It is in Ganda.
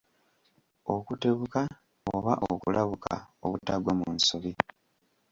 Okutebuka oba okulabuka obutagwa mu nsobi.